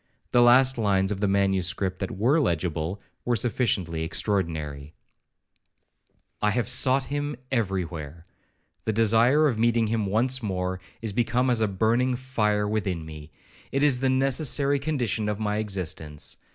The last lines of the manuscript that were legible, were sufficiently extraordinary. 'I have sought him every where.—The desire of meeting him once more, is become as a burning fire within me,—it is the necessary condition of my existence.